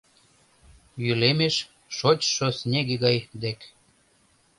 Йӱлемеш шочшо снеге гай дек